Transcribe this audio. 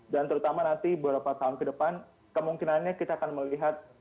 dan terutama nanti beberapa tahun ke depan kemungkinannya kita akan melihat